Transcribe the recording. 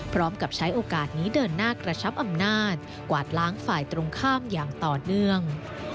พร้อมกับใช้โอกาสนี้เดินหน้ากระชับอำนาจกวาดล้างฝ่ายตรงข้ามอย่างต่อเนื่อง